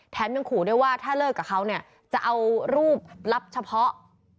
แถมยังขอว่าถ้าเลิกกับเขาเนี่ยจะเอารูปรับเฉพาะ